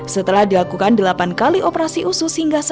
setelah dilakukan delapan kali operasi usus hingga selesai